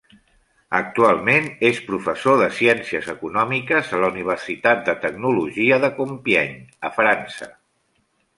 Actualment és professor de ciències econòmiques a la Universitat de tecnologia de Compiègne, a França.